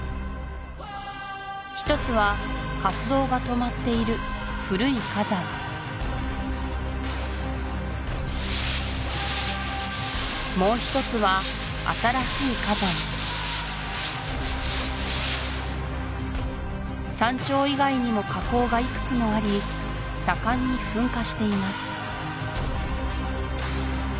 １つは活動が止まっている古い火山もう一つは新しい火山山頂以外にも火口がいくつもあり盛んに噴火しています